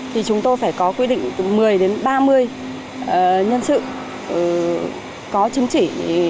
thì chúng tôi phải có quy định từ một mươi đến ba mươi nhân sự có chứng chỉ